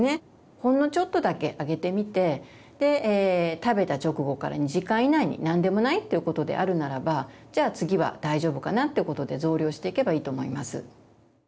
ほんのちょっとだけあげてみて食べた直後から２時間以内に何でもないということであるならばじゃあ次は大丈夫かなということで増量していけばいいと思います。